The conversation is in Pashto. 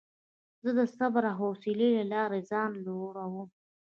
زه د صبر او حوصلې له لارې ځان لوړوم.